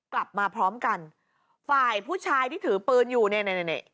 กลับมาพร้อมกันฝ่ายผู้ชายที่ถือปืนอยู่เนี่ยนี่